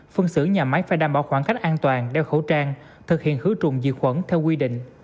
phân xử nhà máy phải đảm bảo khoảng cách an toàn đeo khẩu trang thực hiện khử trùng diệt khuẩn theo quy định